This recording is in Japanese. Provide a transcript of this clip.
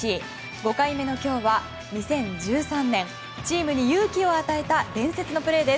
５回目の今日は２０１３年チームに勇気を与えた伝説のプレーです。